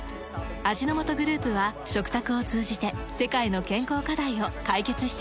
味の素グループは食卓を通じて世界の健康課題を解決していきます。